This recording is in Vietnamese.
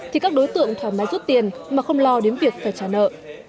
thì các đối tượng thoải mái rút tiền mà không lo đến việc phải trả nợ